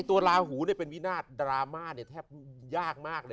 ตัวลาหูเป็นวินาศดราม่าเนี่ยแทบยากมากเลย